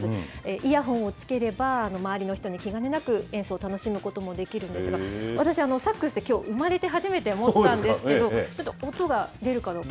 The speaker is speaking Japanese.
イヤホンをつければ、周りの人に気兼ねなく演奏を楽しむこともできるんですが、私、サックスってきょう、生まれて初めて持ったんですけど、ちょっと音が出るかどうか。